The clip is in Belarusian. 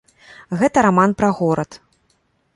Гэта раман пра горад.